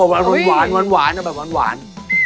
โอเคขอบคุณไม้เลข๑ครับ